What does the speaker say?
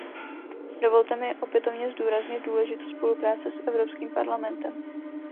Dovolte mi, opětovně zdůraznit důležitost spolupráce s Evropským parlamentem.